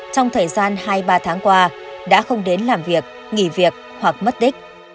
trong thời gian hai ba tháng qua đã không đến làm việc nghỉ việc hoặc mất đích